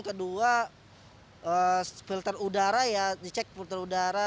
kedua filter udara ya dicek filter udara